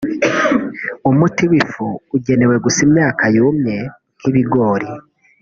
umuti w’ifu ugenewe gusa imyaka yumye nk’ibigori